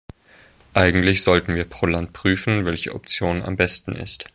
Eigentlich sollten wir pro Land prüfen, welche Option am besten ist.